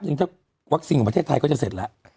จริงถ้าวัคซีนของประเทศไทยก็จะเสร็จแล้ว